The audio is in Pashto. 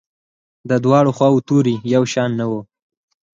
دواړو خواوو توري یو شان نه وو.